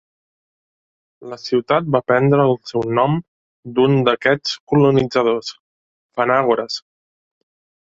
La ciutat va prendre el seu nom d'un d'aquests colonitzadors, Phanagoras.